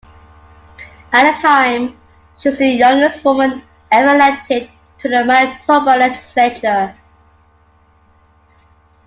At the time she was the youngest woman ever elected to the Manitoba legislature.